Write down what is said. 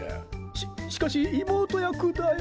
ししかしいもうとやくだよ？